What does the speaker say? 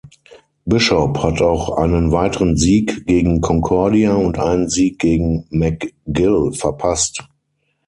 Bishop hat auch einen weiteren Sieg gegen Concordia und einen Sieg gegen McGill verpasst.